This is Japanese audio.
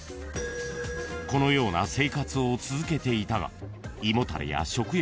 ［このような生活を続けていたが］